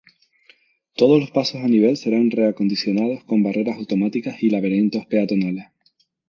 Todos los pasos a nivel serán reacondicionados con barreras automáticas y "laberintos" peatonales.